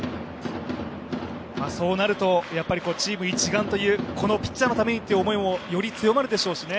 そうなると、チーム一丸という、ピッチャーのためにという思いもより強まるでしょうしね。